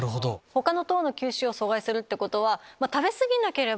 他の糖の吸収を阻害するってことは。